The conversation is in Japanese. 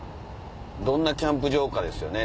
どんなキャンプ場かですよね。